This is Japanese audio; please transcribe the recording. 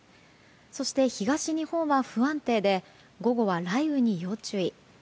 そして東日本は不安定で午後は雷雨に要注意。